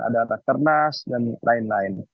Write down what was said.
ada rakernas dan lain lain